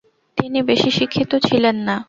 তিনি বেশি শিক্ষিত ছিলেন না।